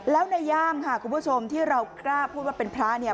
แล้วในย่ามค่ะคุณผู้ชมที่เรากล้าพูดว่าเป็นพระเนี่ย